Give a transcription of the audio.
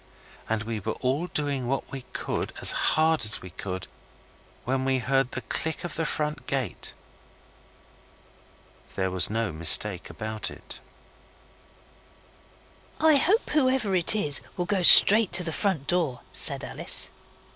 And we were all doing what we could as hard as we could, when we heard the click of the front gate. There was no mistake about it. 'I hope whoever it is will go straight to the front door,' said Alice.